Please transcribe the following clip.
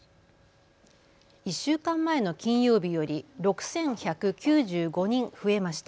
１週間前の金曜日より６１９５人増えました。